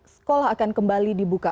sekolah akan kembali dibuka